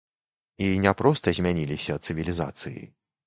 І не проста змяняліся цывілізацыі.